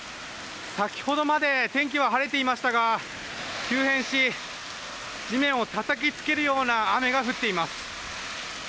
先ほどまで天気は晴れていましたが急変し地面をたたきつけるような雨が降っています。